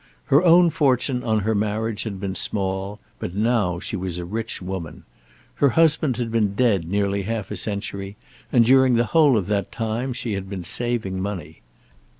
Her own fortune on her marriage had been small, but now she was a rich woman. Her husband had been dead nearly half a century and during the whole of that time she had been saving money.